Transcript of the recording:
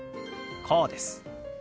こうです。